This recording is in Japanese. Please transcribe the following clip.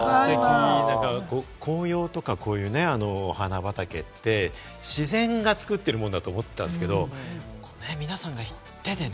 紅葉とかお花畑って、自然が作ってるもんだと思ってたんですけれども、皆さんが手でね。